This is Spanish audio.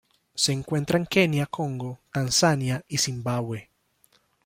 Se encuentra en Kenia Congo Tanzania y Zimbabue.